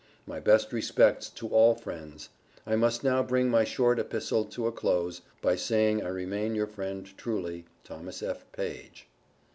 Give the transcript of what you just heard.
My best respects to all friends. I must now bring my short epistle to a close, by saying I remain your friend truly, THOMAS F. PAGE.